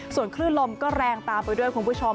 ส่วนคลื่นลมก็แรงตามไปด้วยคุณผู้ชม